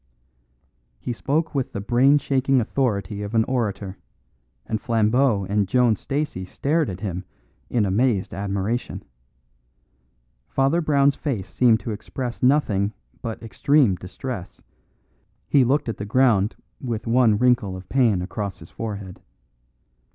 He spoke with the brain shaking authority of an orator, and Flambeau and Joan Stacey stared at him in amazed admiration. Father Brown's face seemed to express nothing but extreme distress; he looked at the ground with one wrinkle of pain across his forehead.